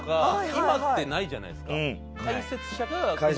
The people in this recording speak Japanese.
今ってないじゃないですか。